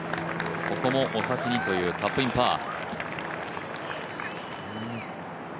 ここもお先にというタップインパー。